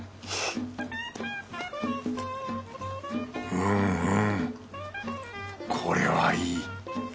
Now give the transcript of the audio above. うんうんこれはいい。